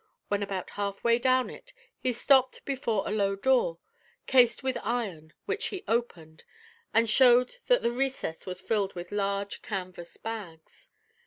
When about half way down it, he stopped before a low door, cased with iron, which he opened, and showed that the recess was filled with large canvas bags.